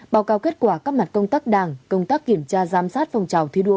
báo cáo kết quả các mặt công tác đảng công tác kiểm tra giám sát phòng trào thi đua